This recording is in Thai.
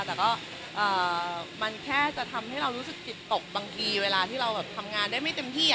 แต่ก็มันแค่จะทำให้เรารู้สึกจิตตกบางทีเวลาที่เราแบบทำงานได้ไม่เต็มที่